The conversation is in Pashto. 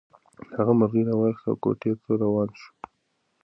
هغه مرغۍ راواخیسته او کوټې ته روان شو.